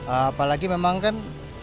apalagi memang kan kami butuh penerangan